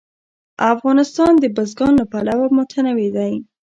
افغانستان د بزګان له پلوه متنوع دی.